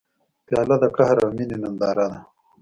پیاله د قهر او مینې ننداره ده.